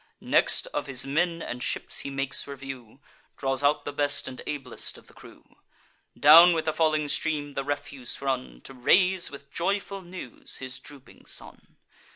Next, of his men and ships he makes review; Draws out the best and ablest of the crew. Down with the falling stream the refuse run, To raise with joyful news his drooping son.